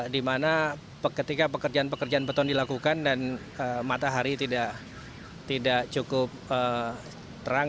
di mana ketika pekerjaan pekerjaan beton dilakukan dan matahari tidak cukup terang